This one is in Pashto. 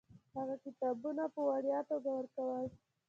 هغه کتابونه په وړیا توګه ورکول.